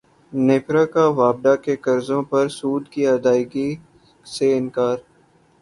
نیپرا کا واپڈا کے قرضوں پر سود کی ادائیگی سے انکار